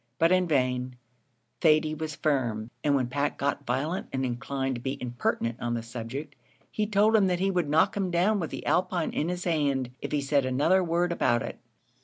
But in vain Thady was firm; and when Pat got violent and inclined to be impertinent on the subject, he told him that he would knock him down with the alpine in his hand if he said another word about it.